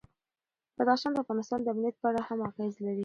بدخشان د افغانستان د امنیت په اړه هم اغېز لري.